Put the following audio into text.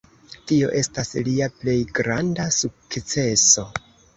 Tio estas lia plej granda sukceso.